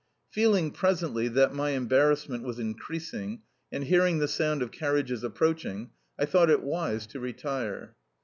Feeling, presently, that, my embarrassment was increasing, and hearing the sound of carriages approaching, I thought it wise to retire.